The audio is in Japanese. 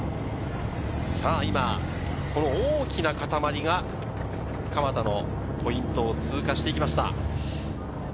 大きな塊が蒲田のポイントを通過していきました。